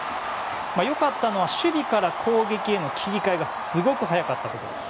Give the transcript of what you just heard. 良かったのは守備から攻撃への切り替えがすごく早かったことです。